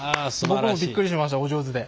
僕もびっくりしましたお上手で。